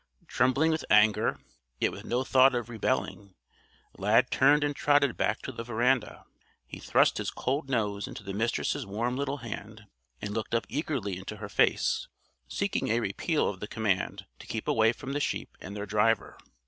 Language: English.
Trembling with anger, yet with no thought of rebelling, Lad turned and trotted back to the veranda. He thrust his cold nose into the Mistress' warm little hand and looked up eagerly into her face, seeking a repeal of the command to keep away from the sheep and their driver.